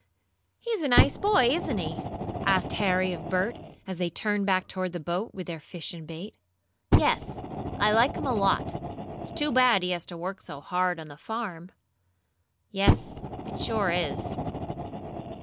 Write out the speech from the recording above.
"He's a nice boy, isn't he?" asked Harry of Bert, as they turned back toward the boat, with their fish and bait. "Yes, I like him a lot. It's too bad he has to work so hard on the farm." "Yes, it sure is."